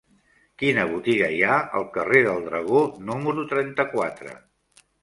Quina botiga hi ha al carrer del Dragó número trenta-quatre?